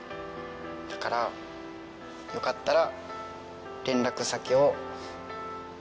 だからよかったら。